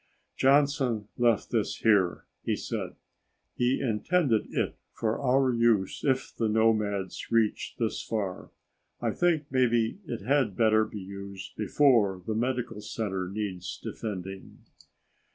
"Johnson left this here," he said. "He intended it for our use if the nomads reached this far. I think maybe it had better be used before the medical center needs defending."